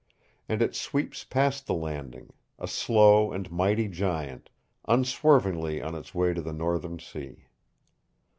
And it sweeps past the Landing, a slow and mighty giant, unswervingly on its way to the northern sea.